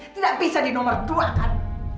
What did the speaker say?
tidak bisa di nomor dua kan